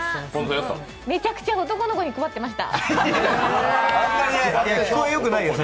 めちゃくちゃ男の子に配ってました。